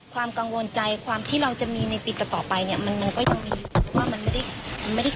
ความกังวลใจความที่เราจะมีในปีตต่อไปเนี่ยมันก็ยังมี